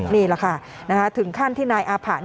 นี่แหละค่ะถึงขั้นที่นายอาผัน